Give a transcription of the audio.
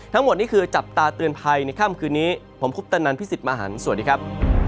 ทั้งหมดนี่คือจับตาเตือนภัยในค่ำคืนนี้ผมคุปตนันพี่สิทธิ์มหันฯสวัสดีครับ